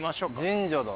神社だ。